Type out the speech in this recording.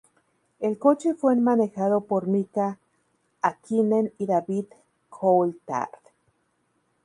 El coche fue manejado por Mika Häkkinen y David Coulthard.